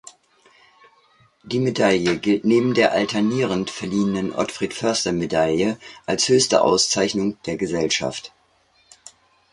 Die Medaille gilt neben der alternierend verliehenen Otfrid-Foerster-Medaille als höchste Auszeichnung der Gesellschaft.